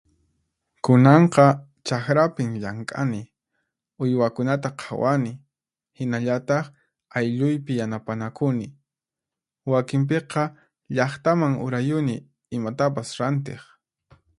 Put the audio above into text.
Kunanqa chaqrapin llank'ani, uywakunata qhawani, hinallataq aylluypi yanapanakuni. Wakinpiqa llaqtaman urayuni imatapas rantiq.